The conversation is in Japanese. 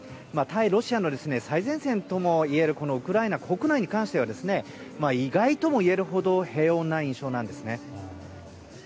対ロシアの最前線ともいえるウクライナ国内に関しては意外ともいえるほど平穏な印象なんですね。